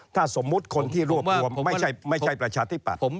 ถ้าสมมุติคนที่รวบรวมไม่ใช่ประชาธิปัตย์